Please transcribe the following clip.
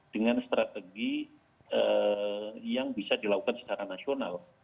dengan strategi yang bisa dilakukan secara nasional